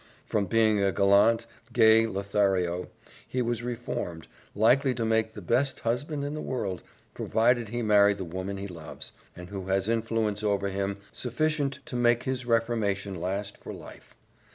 From being a gallant, gay Lothario, he was reformed, likely to make the best husband in the world, provided he marry the woman he loves, and who has influence over him sufficient to make his reformation last for life.